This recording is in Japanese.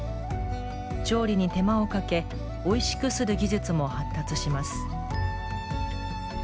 調理に手間をかけおいしくする技術も発達します。